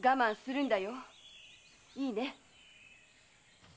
いいね？